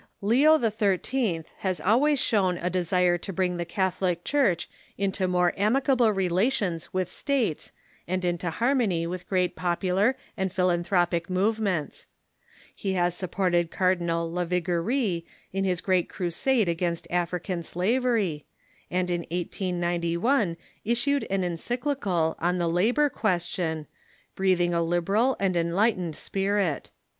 Leo XIII. has always shown a desire to bring the Catholic Church into more amicable relations with states and into har mony with great popular and philanthropic move The Liberal Leo " tt i t ^ i t , t ••• ments. lie has supported Cardinal Lavigene in his great crusade against African slavery, and in 1891 issued an encyclical on the labor question, breathing a liberal and en lightened spirit.